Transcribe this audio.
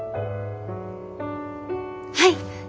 はい！